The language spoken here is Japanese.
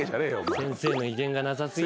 先生の威厳がなさ過ぎる。